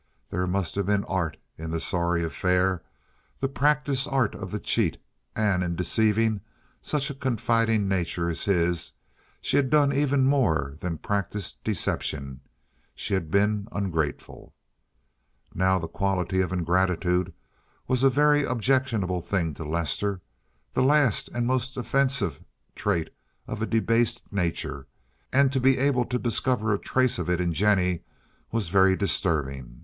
There must have been art in the sorry affair, the practised art of the cheat, and, in deceiving such a confiding nature as his, she had done even more than practise deception—she had been ungrateful. Now the quality of ingratitude was a very objectionable thing to Lester—the last and most offensive trait of a debased nature, and to be able to discover a trace of it in Jennie was very disturbing.